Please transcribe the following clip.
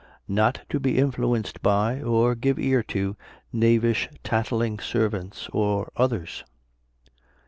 Not to be influenced by, or give ear to, knavish tattling servants, or others.